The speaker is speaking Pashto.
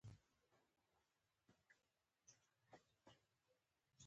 ملک صاحب د یوې وړې کړنې لپاره تاوېږي را تاووېږي، ورستۍ پرېکړه نشي کولای.